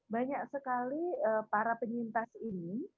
banyak sekali para penyintas ini